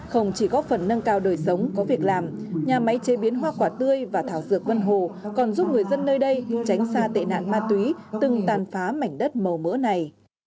không chỉ góp phần nâng cao đời sống có việc làm nhà máy chế biến hoa quả tươi và thảo dược vân hồ còn giúp người dân nơi đây tránh xa tệ nạn ma túy từng tàn phá mảnh đất màu mỡ này